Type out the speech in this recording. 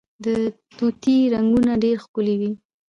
د طوطي رنګونه ډیر ښکلي وي